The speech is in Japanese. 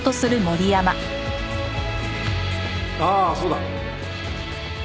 ああそうだ。